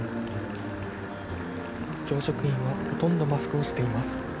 教職員はほとんどマスクをしています。